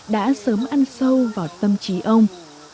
đã sớm ăn sâu vào tâm trí ông